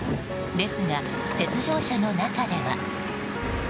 ですが、雪上車の中では。